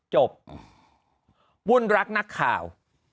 จบวุ่นรักนักข่าว